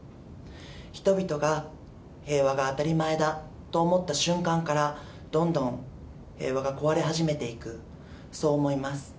人々が平和が当たり前だと思った瞬間から、どんどん平和が壊れ始めていく、そう思います。